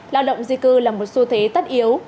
lao động di cư là một xu thế tất yếu